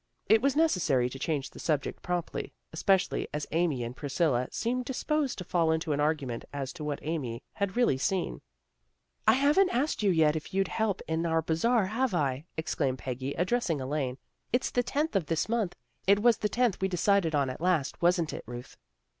It was necessary to change the subject promptly, especially as Amy and Priscilla seemed disposed to fall into an argument as to what Amy had really seen. " I haven't asked you yet if you'd help in our Bazar, have I? " exclaimed Peggy, address ing Elaine. " It's the tenth of this month. ELAINE HAS VISITORS 93 It was the tenth we decided on at last, wasn't it, Ruth?